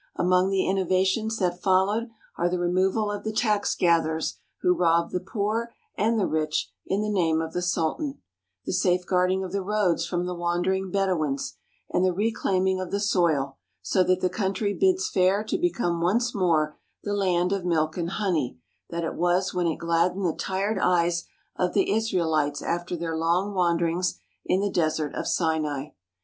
Among the in novations that followed are the removal of the tax gatherers who robbed the poor and the rich in the name of the Sultan, the safeguarding of the roads from the wandering Bedouins, and the reclaiming of the soil, so that the country bids fair to become once more the land of milk and honey that it was when it gladdened the tired eyes of the Israelites after their long wanderings in the desert of Sinai.